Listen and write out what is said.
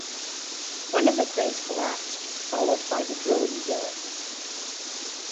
One of the cranes collapsed, followed by the drilling derrick.